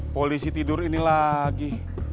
polisi tidur ini lagi